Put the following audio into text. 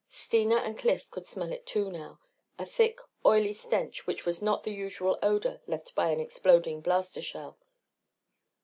Steena and Cliff could smell it too now, a thick oily stench which was not the usual odor left by an exploding blaster shell.